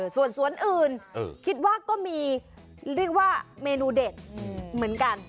ส่วนสวนอื่นคิดว่าก็มีเรียกว่าเมนูเด็ดเหมือนกัน